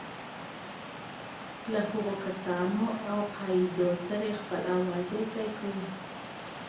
له هغو کسانو او عقایدو سره خپل آواز یوځای کوو.